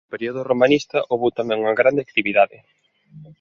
No período "romanista" houbo tamén unha grande actividade.